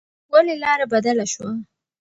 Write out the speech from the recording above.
ولې لار بدله شوه؟